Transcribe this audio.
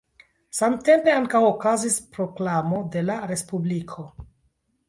Samtempe ankaŭ okazis proklamo de la respubliko.